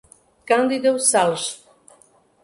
Cândido Sales